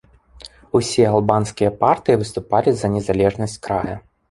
Усе албанскія партыі выступалі за незалежнасць края.